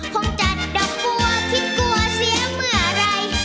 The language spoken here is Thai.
ห้มจัดดอกกลัวทิ้งกลัวเสียเมื่อไร